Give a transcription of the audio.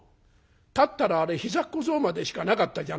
立ったらあれひざっ小僧までしかなかったじゃないか」。